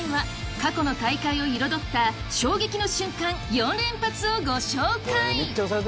過去の大会を彩った衝撃の瞬間４連発をご紹介！